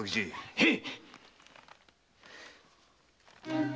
へい！